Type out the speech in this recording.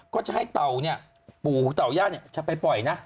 ก็จะให้เต่าเนี่ยปู่เต่าย่าเนี่ยจะไปปล่อยนะ